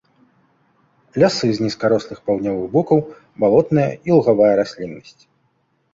Лясы з нізкарослых паўднёвых букаў, балотная і лугавая расліннасць.